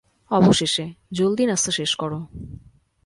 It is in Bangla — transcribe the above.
অবশেষে, জলদি নাস্তা শেষ কর।